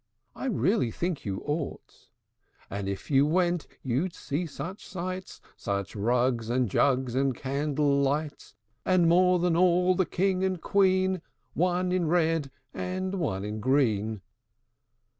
I really think you ought. And, if you went, you'd see such sights! Such rugs and jugs and candle lights! And, more than all, the king and queen, One in red, and one in green."